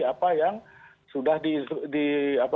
apa yang sudah diinsubordinasi